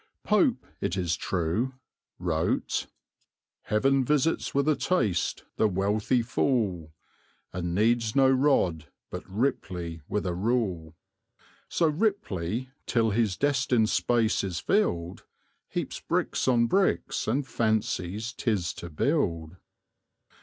Pope, it is true, wrote: Heaven visits with a taste the wealthy fool, And needs no rod but Ripley with a rule. *...*...*...* So Ripley, till his destined space is filled, Heaps bricks on bricks and fancies 'tis to build.